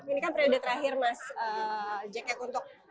ini kan periode terakhir mas jacket untuk